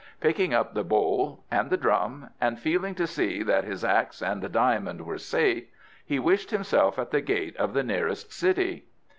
Picking up the bowl and the drum, and feeling to see that his axe and diamond were safe, he wished himself at the gate of the nearest city.